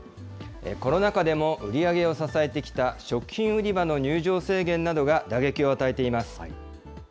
コロナ禍でも売り上げを支えてきた食品売り場の入場制限などが打撃を与えています。